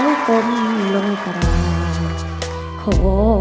หนูว่านุ่ร้องผิดครับ